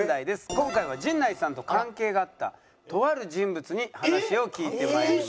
今回は陣内さんと関係があったとある人物に話を聞いて参りました。